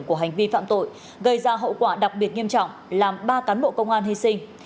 của hành vi phạm tội gây ra hậu quả đặc biệt nghiêm trọng làm ba cán bộ công an hy sinh